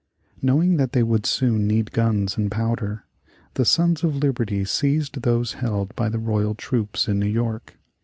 ] Knowing that they would soon need guns and powder, the Sons of Liberty seized those held by the royal troops in New York.